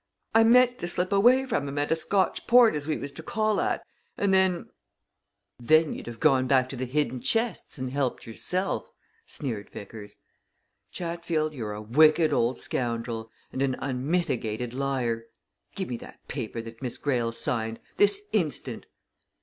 "I meant to slip away from 'em at a Scotch port we was to call at, and then " "Then you'd have gone back to the hidden chests and helped yourself," sneered Vickers. "Chatfield, you're a wicked old scoundrel, and an unmitigated liar! Give me that paper that Miss Greyle signed, this instant!"